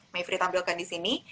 mayfri tampilkan disini